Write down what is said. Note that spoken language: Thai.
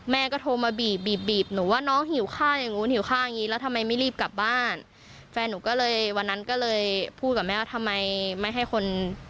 แม่ก็โทรมาบีบบีบบีบหนูว่าน้องหิวข้าวอย่างนู้นหิวข้าวอย่างงี้แล้วทำไมไม่รีบกลับบ้านแฟนหนูก็เลยวันนั้นก็เลยพูดกับแม่ว่าทำไมไม่ให้คน